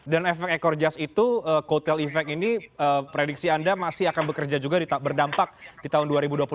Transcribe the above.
dan efek ekor jas itu kotele efek ini prediksi anda masih akan bekerja juga berdampak di tahun dua ribu dua puluh empat